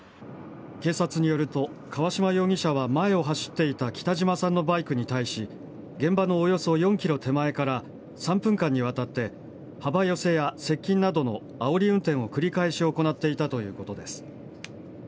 警察によると、川島容疑者は前を走っていた北島さんのバイクに対し、現場のおよそ４キロ手前から３分間にわたって、幅寄せや接近などのあおり運転を繰り返し行っていたということです。